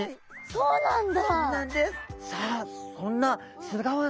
そうなんだ。